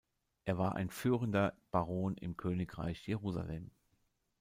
Er war ein führender Baron im Königreich Jerusalem.